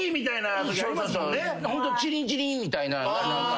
ホントチリンチリンみたいな。